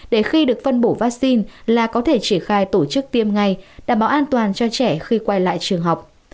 để khi được phân bổ vaccine là có thể triển khai tổ chức tiêm ngay đảm bảo an toàn cho trẻ khi quay lại trường học